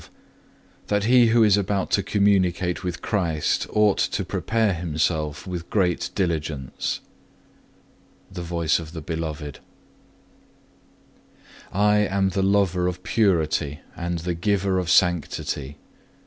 CHAPTER XII That he who is about to Communicate with Christ ought to prepare himself with great diligence The Voice of the Beloved I am the Lover of purity, and Giver of sanctity.